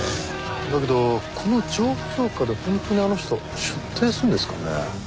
だけどこの状況下で本当にあの人出廷するんですかね？